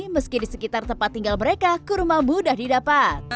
meski di sekitar tempat tinggal mereka kurma mudah didapat